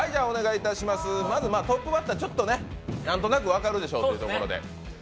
トップバッターは何となく分かるでしょうということで。